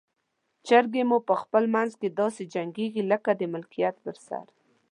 چرګې مو په خپل منځ کې داسې جنګیږي لکه د ملکیت پر سر.